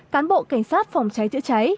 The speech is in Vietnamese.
cán bộ cảnh sát phòng cháy chữa cháy